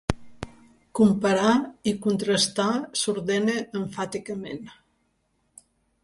Comparar i contrastar s'ordena emfàticament.